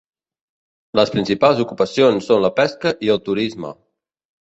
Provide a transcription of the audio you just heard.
Les principals ocupacions són la pesca i el turisme.